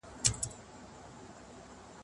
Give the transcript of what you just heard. قلمي خط د پوهي سره د میني څرګندونه ده.